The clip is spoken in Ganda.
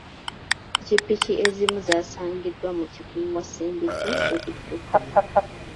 Ppikipiki ezimu zaasangiddwa mu kifo ewasimbibwa ebidduka.